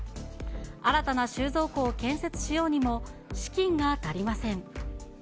新たな収蔵庫を建設しようにも、資金が足りません。